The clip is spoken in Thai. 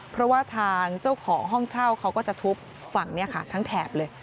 เพราะว่าทางเจ้าของห้องเช่าเขาก็จะทุบฝั่งทั้งแถบเลย